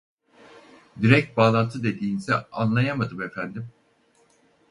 Direkt bağlantı dediğinizi anlayamadım efendim?